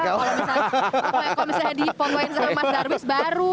kalau misalnya dipon ponin sama mas darwish baru